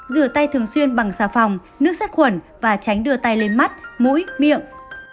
rửa tay thường xuyên bằng xà phòng nước sát khuẩn và tránh đưa tay lên mắt mũi miệng